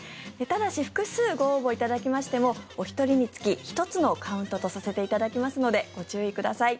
ただし複数ご応募いただきましてもお一人につき１つのカウントとさせていただきますのでご注意ください。